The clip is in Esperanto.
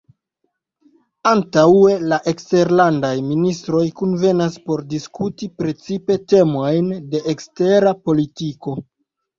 Antaŭe la eksterlandaj ministroj kunvenas por diskuti precipe temojn de ekstera politiko.